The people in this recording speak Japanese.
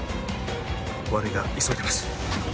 悪いが急いでます